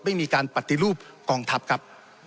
ไม่มีการปฏิรูปกองทัพครับ